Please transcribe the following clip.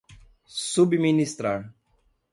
subministrar